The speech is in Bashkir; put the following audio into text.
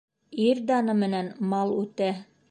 Ир даны менән мал үтә